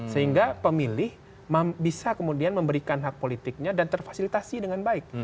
sehingga pemilih bisa kemudian memberikan hak politiknya dan terfasilitasi dengan baik